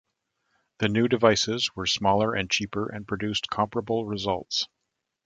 The new devices were smaller and cheaper and produced comparable results.